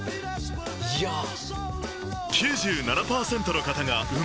⁉いやぁ。